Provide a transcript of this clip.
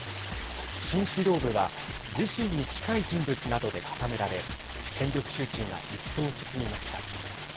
新指導部は自身に近い人物などで固められ権力集中が一層、進みました。